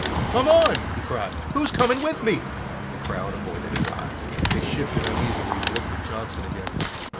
"Come on!" he cried. "Who's coming with me?" The crowd avoided his eyes. They shifted uneasily and looked at Johnson again.